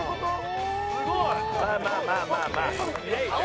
すごい！まあまあまあまあまあ。